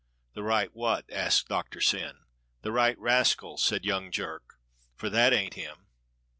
"The right what?" asked Doctor Syn. "The right rascal," said young Jerk, "for that ain't him."